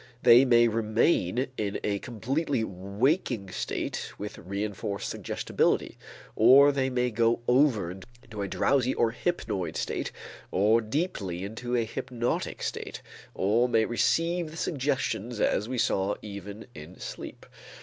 They may remain in a completely waking state with reënforced suggestibility, or they may go over into a drowsy or hypnoid state or deeply into a hypnotic state, or may receive the suggestions as we saw even in sleep.